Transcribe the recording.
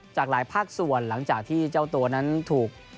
จากหลายภาคส่วนหลังจากที่เจ้าตัวนั้นถูก